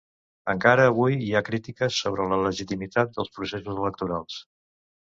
Encara avui hi ha crítiques sobre la legitimitat dels processos electorals.